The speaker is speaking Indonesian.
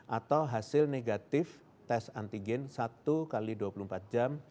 atau hasil negatif tes antigen satu x dua puluh empat jam